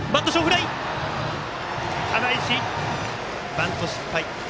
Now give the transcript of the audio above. バント失敗。